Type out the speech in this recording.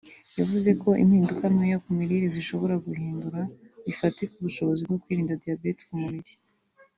yavuze ko impinduka ntoya ku mirire zishobora guhindura bifatika ubushobozi bwo kwirinda diyabete k’umubiri